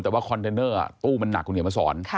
แต่ว่าคอนเทนเนอร์ตู้มันหนักคุณเขียนมาสอน